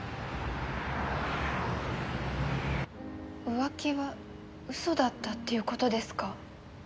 浮気は嘘だったっていう事ですか？